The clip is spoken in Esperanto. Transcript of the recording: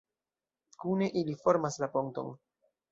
Kune ili formas la ponton.